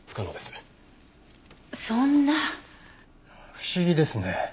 不思議ですね。